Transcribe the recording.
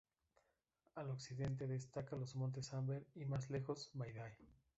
Al occidente destaca los montes Amber y, más lejos, Mayday.